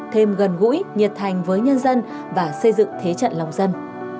thêm gần gũi nhiệt thành với nhân dân và xây dựng thế trận lòng dân